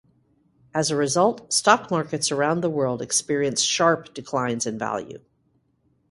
As a result, stock markets around the world experienced sharp declines in value.